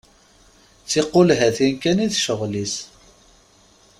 D tiqulhatin kan i d ccɣel-is.